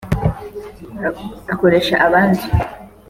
akoresha abandi